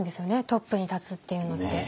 トップに立つっていうのって。